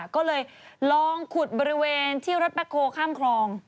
ก็เลยลองขุดบริเวณที่รถแบ็คโฮข้ามคลอง